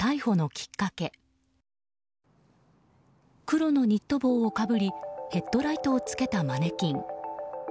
黒のニット帽をかぶりヘッドライトを着けたマネキン。